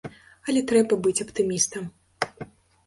Але трэба быць аптымістам.